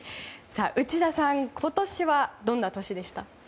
内田さん、今年はどんな年でした？